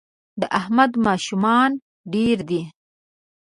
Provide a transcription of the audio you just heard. د احمد ماشومان ډېر دي